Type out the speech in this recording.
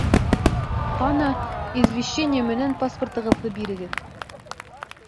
Ҡана, извещение менән паспортығыҙҙы бирегеҙ